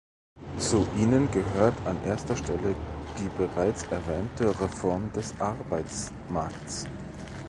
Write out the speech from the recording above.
Zu ihnen gehört an erster Stelle die bereits erwähnte Reform des Arbeitsmarkts.